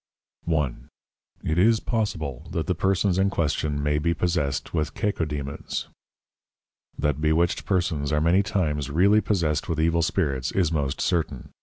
1. It is possible that the Persons in Question may be possessed with Cacodæmons: That bewitched Persons are many times really possessed with evil Spirits, is most certain.